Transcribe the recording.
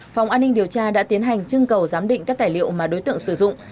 phòng an ninh điều tra đã tiến hành trưng cầu giám định các tài liệu mà đối tượng sử dụng